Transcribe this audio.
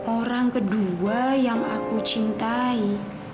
orang kedua yang aku cintai